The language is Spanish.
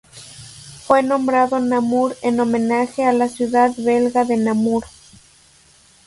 Fue nombrado Namur en homenaje a la ciudad belga de Namur.